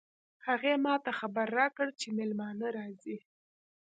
هغې ما ته خبر راکړ چې مېلمانه راځي